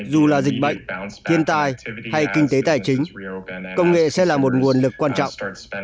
dù là dịch bệnh thiên tai hay kinh tế tài chính công nghệ sẽ là một nguồn lực quan trọng